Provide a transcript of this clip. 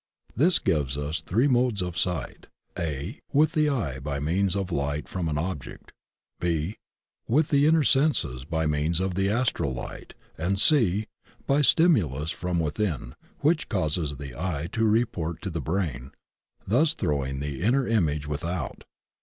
This gives us three modes of sight: (a) with the eye by means of Ught from an object, (b) with the inner senses by means of the Astral Light, and (c) by stimulus from within which causes the eye to report to the brain, thus throwing the inner image without.